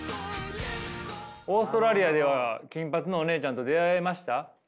オーストラリアでは金髪のおねえちゃんと出会えました？